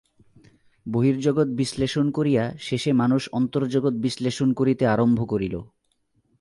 বহির্জগৎ বিশ্লেষণ করিয়া শেষে মানুষ অন্তর্জগৎ বিশ্লেষণ করিতে আরম্ভ করিল।